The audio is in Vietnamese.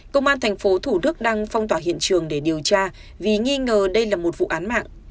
công an thành phố thủ đức đang phong tỏa hiện trường để điều tra vì nghi ngờ đây là một vụ án mạng